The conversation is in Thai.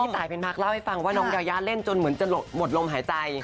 ตายเป็นพักเล่าให้ฟังว่าน้องยายาเล่นจนเหมือนจะหมดลมหายใจ